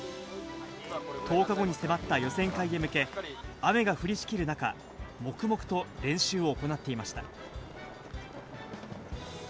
１０日後に迫った予選会に向け、雨が降りしきる中、黙々と練習を行っていました。